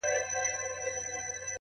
تا د ورځي زه د ځان كړمه جانـانـه’